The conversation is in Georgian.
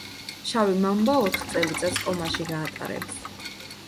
შავი მამბა ოთხ წელიწადს კომაში გაატარებს.